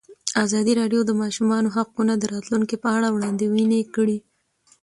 ازادي راډیو د د ماشومانو حقونه د راتلونکې په اړه وړاندوینې کړې.